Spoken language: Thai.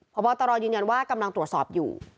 พบตรยืนยันว่ากำลังตรวจสอบอยู่